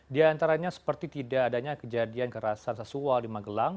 di antaranya seperti tidak adanya kejadian kerasan seksual di magelang